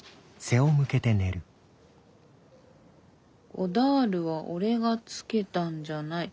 「ゴダールは俺が付けたんじゃない。